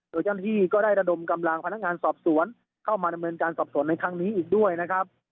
โดยเจ้าหน้าที่ก็ได้ระดมกำลังพนักงานสอบสวนเข้ามาดำเนินการสอบสวนในครั้งนี้อีกด้วยนะครับ